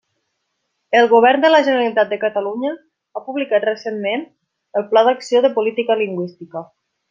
El Govern de la Generalitat de Catalunya ha publicat, recentment, el Pla d'Acció de Política Lingüística.